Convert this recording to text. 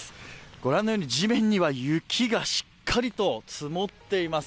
ご覧のように地面には雪がしっかりと積もっています。